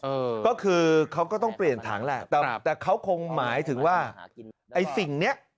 เออก็คือเขาก็ต้องเปลี่ยนถังแหละแต่แต่เขาคงหมายถึงว่าไอ้สิ่งเนี้ย